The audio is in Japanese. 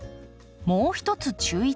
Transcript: もう一つ注意点。